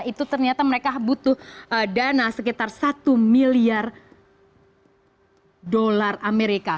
itu ternyata mereka butuh dana sekitar satu miliar dolar amerika